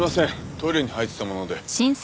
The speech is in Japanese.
トイレに入ってたもので。